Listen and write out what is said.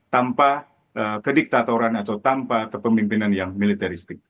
tanpa kediktatoran atau tanpa kepemimpinan yang militeristik